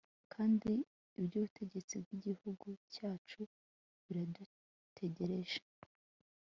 kandi, iby'ubutegetsi bw'igihugu cyacu biradutegereje